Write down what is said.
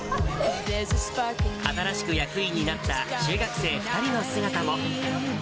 新しく役員になった中学生２人の姿も。